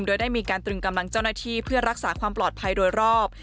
โดยได้มีการตรึงกำลังเจ้าหน้าที่เพื่อรักษาความปลอดภัยโดยรอบ